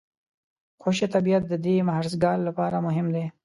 خوشي طبیعت د دې مهرسګال لپاره مهم دی.